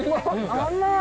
甘い。